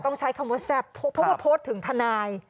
ต้องใช้คำว่าแซ่บเพราะว่าโพสต์ถึงทนาย